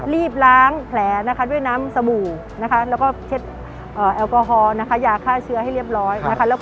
รีบล้างแผลด้วยน้ำสบู่แล้วก็เช็ดแอลกอฮอล์อย่าฆ่าเชื้อให้เรียบร้อย